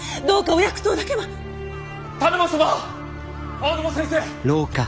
青沼先生！